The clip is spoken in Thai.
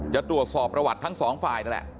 จะตรวจสอบประวัติทั้งสองฝ่ายนั่นแหละ